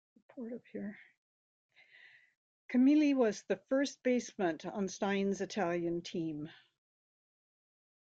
Camilli was the first baseman on Stein's Italian team.